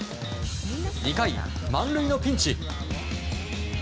２回、満塁のピンチ。